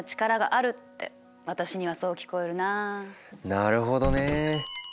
なるほどね。